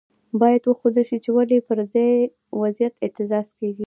باید وښودل شي چې ولې پر دې وضعیت اعتراض کیږي.